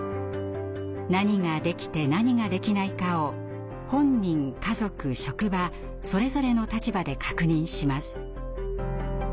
何ができて何ができないかを本人家族職場それぞれの立場で確認します。